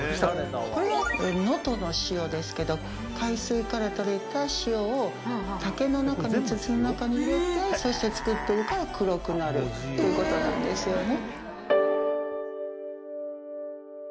これは能登の塩ですけど海水から取れた塩を竹の中の筒の中に入れてそして作っているから黒くなるっていうことなんですよね。